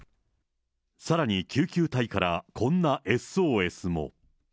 さらに救急隊から、こんなＳＯＳも。